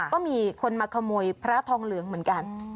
ก็มีคนมาขโมยพระทองเหลืองเหมือนกัน